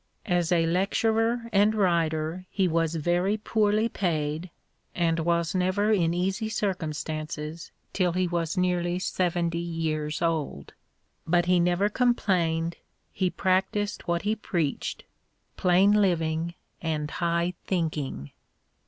As a lecturer and writer he was very poorly paid, and was never in easy circum stances till he was nearly seventy years old ; but he never complained, he practised what he preached :" plain living and high thinking."